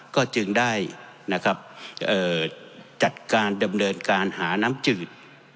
ก็จึงได้นะครับจัดการดำเนินการหาน้ำจืด